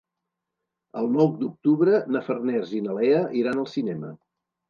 El nou d'octubre na Farners i na Lea iran al cinema.